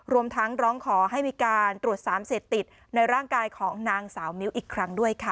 รวมทั้งร้องขอให้มีการตรวจสารเสพติดในร่างกายของนางสาวมิ้วอีกครั้งด้วยค่ะ